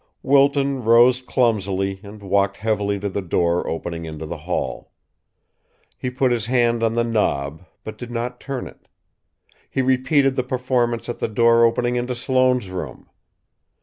Wilton rose clumsily and walked heavily to the door opening into the hall. He put his hand on the knob but did not turn it. He repeated the performance at the door opening into Sloane's room.